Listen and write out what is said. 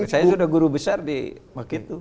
saya sudah guru besar di begitu